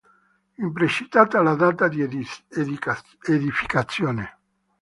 Imprecisata la data di edificazione.